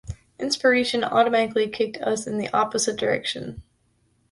Inspiration automatically kicked us in the opposite direction.